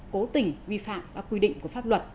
hơn nữa là chị nói là